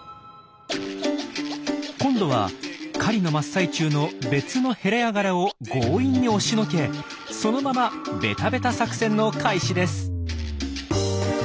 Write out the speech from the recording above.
今度は狩りの真っ最中の別のヘラヤガラを強引に追しのけそのままベタベタ作戦の開始です。